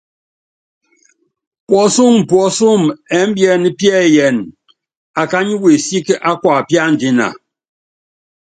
Puɔ́súm puɔ́súm ɛ́mbiɛ́n piɛ́yɛn, akány wesík á kuapíándina.